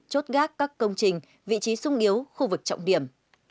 chốt gác các công trình vị trí sung yếu khu vực trọng điểm